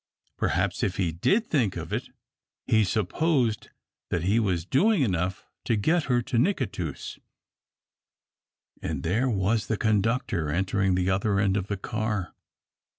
Perhaps if he did think of it, he supposed that he was doing enough to get her to Nicatoos and there was the conductor entering the other end of the car.